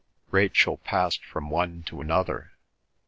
Rachel passed from one to another.